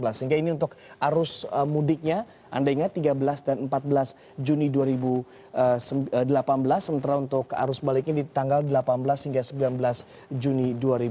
sehingga ini untuk arus mudiknya anda ingat tiga belas dan empat belas juni dua ribu delapan belas sementara untuk arus baliknya di tanggal delapan belas hingga sembilan belas juni dua ribu delapan belas